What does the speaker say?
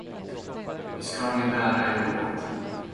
Hur ska ni bära er åt?